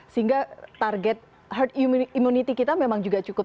sehingga target herd immunity kita memang juga cukup